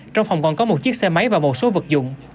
trong phòng còn có một chiếc xe máy và một số vật dụng